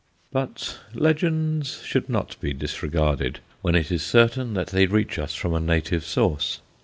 But legends should not be disregarded when it is certain that they reach us from a native source.